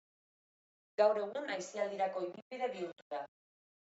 Gaur egun aisialdirako ibilbide bihurtu da.